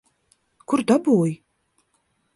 Kur dabūji?